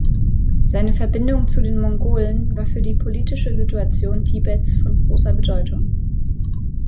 Seine Verbindung zu den Mongolen war für die politische Situation Tibets von großer Bedeutung.